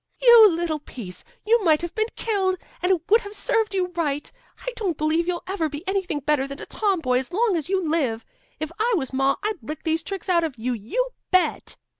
"You little piece! You might have been killed, and it would have served you right. I don't believe you'll ever be anything better than a tomboy as long as you live. If I was ma, I'd lick these tricks out of you, you bet."